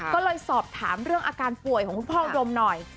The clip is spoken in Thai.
ก็เลยสอบถามเรื่องอาการป่วยของคุณพ่ออุดมหน่อย